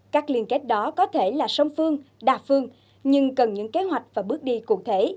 các liên kết đó có thể là song phương đa phương nhưng cần những kế hoạch và bước đi cụ thể